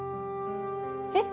えっ？